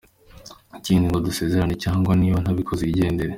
Ikindi ngo dusezerane cyangwa niba ntabikoze yigendere.